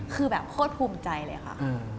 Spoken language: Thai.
คือแบบโคตรภูมิใจเลยค่ะ